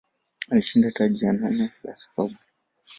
Alishinda taji la nane la SuperBowl